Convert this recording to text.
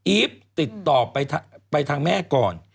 ีฟติดต่อไปทางแม่ก่อน